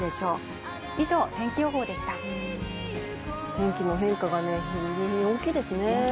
天気の変化が日に日に大きいですね。